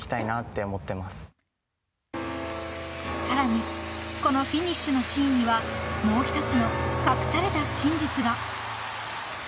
［さらにこのフィニッシュのシーンにはもう一つの隠された真実が］